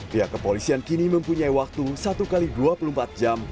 pihak kepolisian kini mempunyai waktu satu x dua puluh empat jam